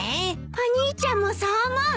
お兄ちゃんもそう思う？